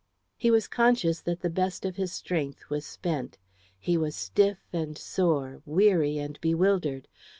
He was conscious that the best of his strength was spent. He was stiff and sore, weary and bewildered.